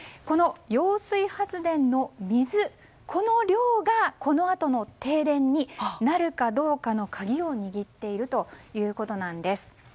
この揚水発電の水の量がこのあとの停電になるかどうかの鍵を握っているということです。